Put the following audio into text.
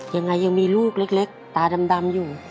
ยังมีลูกเล็กตาดำอยู่